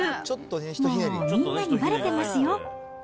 もう、みんなにばれてますよ。